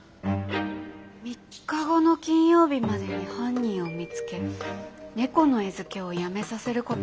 「３日後の金曜日までに犯人を見つけ猫の餌付けをやめさせること。